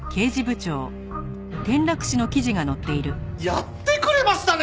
やってくれましたね